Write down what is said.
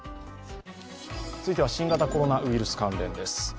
続いては新型コロナウイルス関連です。